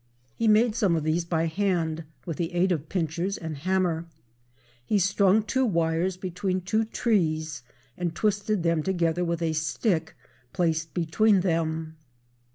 He made some of these by hand with the aid of pinchers and hammer. He strung two wires between two trees and twisted them together with a stick placed between them.